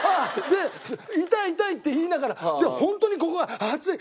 「痛い痛い」って言いながら本当にここが「熱い！